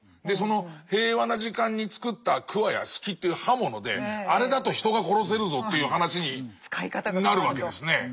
でその平和な時間に作ったくわやすきっていう刃物であれだと人が殺せるぞという話になるわけですね。